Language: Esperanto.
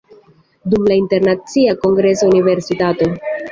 Dum la Internacia Kongresa Universitato.